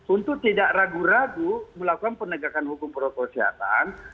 untuk tidak ragu ragu melakukan penegakan hukum protokol kesehatan